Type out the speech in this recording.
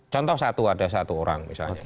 contoh satu ada satu orang misalnya